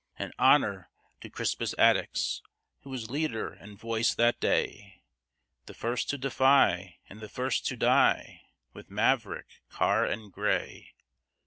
And honor to Crispus Attucks, who was leader and voice that day; The first to defy and the first to die, with Maverick, Carr, and Gray.